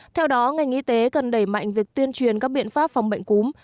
theo đó ngành y tế cần đẩy mạnh việc tuyên truyền các biện pháp phòng bệnh cúm